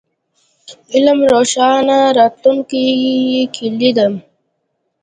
علم د روښانه راتلونکي کیلي ده.